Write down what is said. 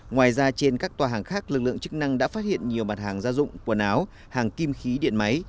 ngoài ra trên các tòa hàng khác lực lượng chức năng đã phát hiện nhiều mặt hàng gia dụng quần áo hàng kim khí điện máy